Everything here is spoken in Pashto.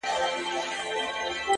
زه نه كړم گيله اشــــــــــــنا ـ